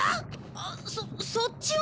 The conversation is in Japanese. あっそそっちは。